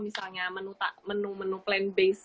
misalnya menu menu plan base